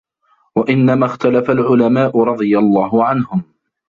وَإِنَّمَا اخْتَلَفَ الْعُلَمَاءُ رَضِيَ اللَّهُ عَنْهُمْ